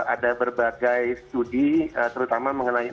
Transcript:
ada berbagai studi terutama mengenai ibu kota